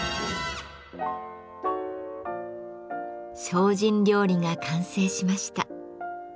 精進料理が完成しました。